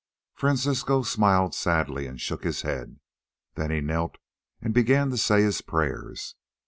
Francisco smiled sadly and shook his head, then he knelt and began to say his prayers.